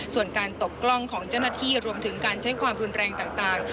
ส่วนการตกกล้องของเจ้าหน้าที่รวมถึงการใช้ความรุนแรงต่าง